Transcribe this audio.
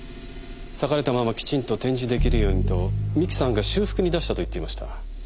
裂かれたままきちんと展示できるようにと三木さんが修復に出したと言っていました。